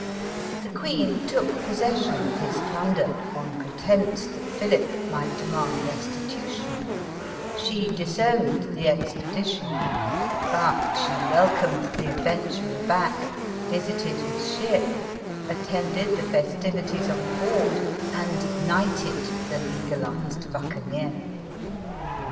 The queen took posses sion of his plunder, on pretence that Philip might de mand restitution ; she disowned the expedition ; but she welcomed the adventurer back, visited his ship, at tended the festivities on board, and knighted the legal ized buccaneer.